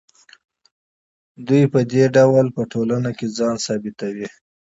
دوی په دې توګه په ټولنه کې ځان ثابتوي.